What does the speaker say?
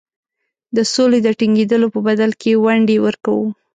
د سولي د ټینګېدلو په بدل کې ونډې ورکوو.